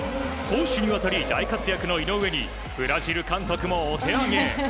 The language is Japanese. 攻守にわたり大活躍の日本にブラジル監督もお手上げ。